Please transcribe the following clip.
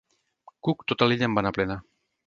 Cook tota l'illa en va anar plena.